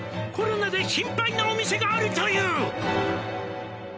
「コロナで心配なお店があるという」